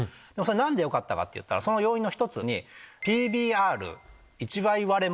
何でよかったかってその要因の１つに。